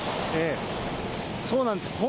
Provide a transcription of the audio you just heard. そうなんです。